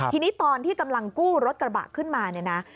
ทีนี้ตอนที่กำลังกู้รถกระบะขึ้นมา